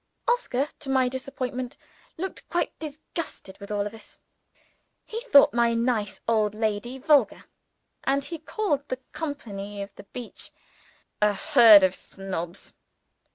Oscar, to my disappointment, looked quite disgusted with all of us. He thought my nice old lady vulgar; and he called the company on the beach "a herd of snobs."